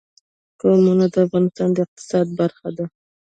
قومونه د افغانستان د اقتصاد برخه ده.